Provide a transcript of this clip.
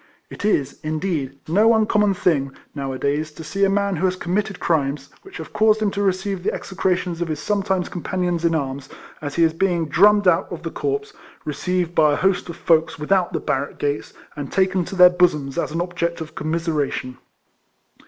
It is, indeed, no uncommon thing, now a days, to see a man who has committed crimes, which have caused him to receive the execrations 126 RECOLLECTIONS OF of his sometime companions in arms, as he is being drummed out of the corps, received by a host of folks without the barrack gates, and taken to their bosoms as an' object of commiseration.